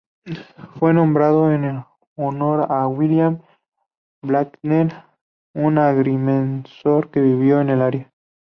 Fue nombrado en honor a William Bracken, un agrimensor que vivió en el área.